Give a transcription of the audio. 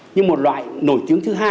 nhưng một loại nổi tiếng thứ hai